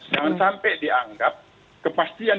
jangan sampai dianggap kepastian